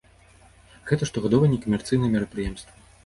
Гэта штогадовае некамерцыйнае мерапрыемства.